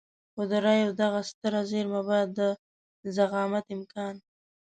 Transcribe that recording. خو د رايو دغه ستره زېرمه به د زعامت امکان.